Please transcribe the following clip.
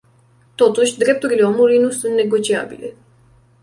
Totuși, drepturile omului nu sunt negociabile.